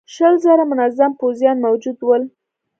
شل زره منظم پوځيان موجود ول.